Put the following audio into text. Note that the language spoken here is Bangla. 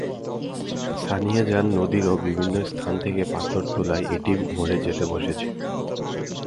সানিয়াজান নদীরও বিভিন্ন স্থান থেকে পাথর তোলায় এটিও মরে যেতে বসেছে।